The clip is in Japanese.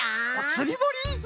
つりぼり？